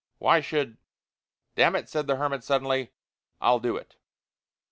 Why should " "Damn it," said the hermit, suddenly, "I'll do it!"